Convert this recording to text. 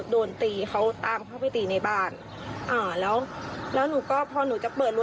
โดนตีเขาตามเขาไปตีในบ้านอ่าแล้วแล้วหนูก็พอหนูจะเปิดรู